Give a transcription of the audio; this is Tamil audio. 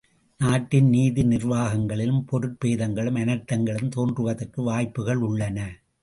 நாட்டின் நீதி நிர்வாகங்களிலும், பொருட் பேதங்களும், அனர்த்தங்களும், தோன்றுவதற்கு வாய்ப்புகள் உள்ளன.